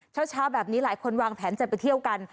เช้าแบบนี้หลายคนวางแผนจะไปเที่ยวกัน